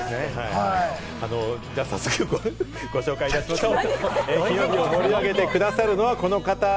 早速、ごご紹介しましょう。